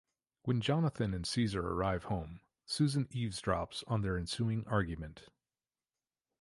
When Jonathan and Caesar arrive home, Susan eavesdrops on their ensuing argument.